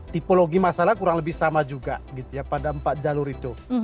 tipologi masalah kurang lebih sama juga gitu ya pada empat jalur itu